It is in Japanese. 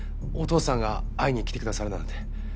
お父さんが会いに来てくださるなんて。